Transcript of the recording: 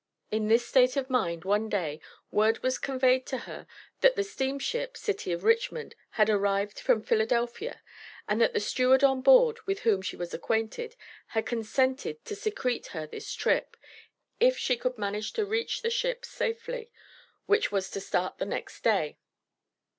In this state of mind, one day, word was conveyed to her that the steamship, City of Richmond, had arrived from Philadelphia, and that the steward on board (with whom she was acquainted), had consented to secrete her this trip, if she could manage to reach the ship safely, which was to start the next day.